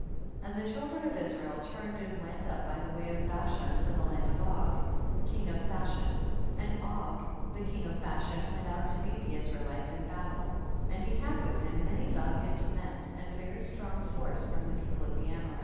21. And the children of Israel turned and went up by the way of Bashan to the land of Og, king of Bashan, and Og the king of Bashan went out to meet the Israelites in battle, and he had with him many valiant men, and a very strong force from the people of the Amorites.